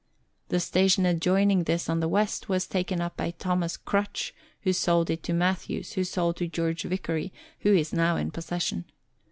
The station adjoining this on the west was taken up by Thomas Crutch, who sold to Matthews, who sold to George Vicary, who is now in possession.